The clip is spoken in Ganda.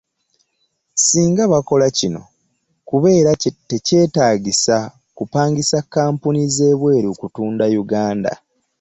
Singa bakola kino, kubeera tekyetaagisa kupangisa kkampuni z'ebweru kutunda Uganda